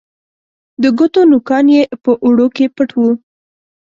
د ګوتو نوکان یې په اوړو کې پټ وه